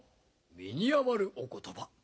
身に余るお言葉